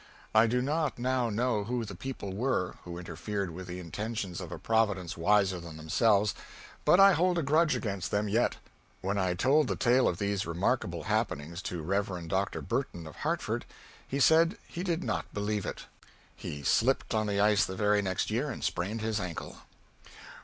I do not now know who the people were who interfered with the intentions of a Providence wiser than themselves, but I hold a grudge against them yet. When I told the tale of these remarkable happenings to Rev. Dr. Burton of Hartford, he said he did not believe it. _He slipped on the ice the very next year and sprained his ankle.